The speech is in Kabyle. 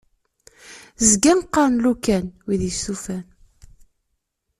Zgan qqaṛen "lukan", wid istufan.